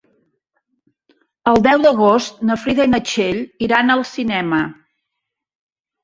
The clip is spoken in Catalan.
El deu d'agost na Frida i na Txell iran al cinema.